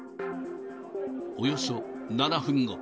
およそ７分後。